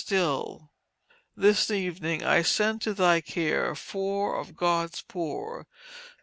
STILL: This evening I send to thy care four of God's poor.